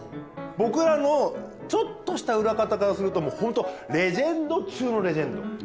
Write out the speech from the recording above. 僕らのちょっとした裏方からすると、もう本当、レジェンド中のレジェンド。